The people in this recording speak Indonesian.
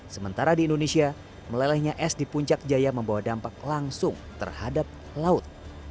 sementara di indonesia melelehnya es di puncak jaya membawa dampak langsung terhadap laut